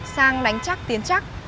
sang đánh chắc tiến chắc